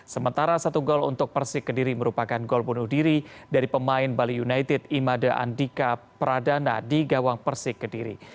sementara satu gol untuk persik kediri merupakan gol bunuh diri dari pemain bali united imade andika pradana di gawang persik kediri